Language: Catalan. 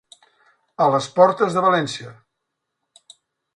A les portes de València.